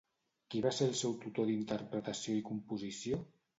Qui va ser el seu tutor d'interpretació i composició?